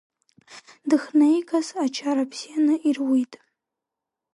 Дыхнеигаз ачара бзианы ируит.